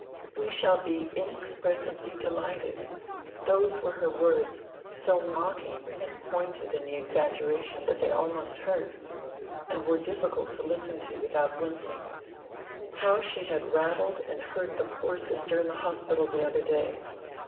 "We shall be inexpressibly delighted" those were her words, so mocking and pointed in the exaggeration that they almost hurt, and were difficult to listen to without wincing. How she had rattled and hurt the poor sister in the Hospital the other day!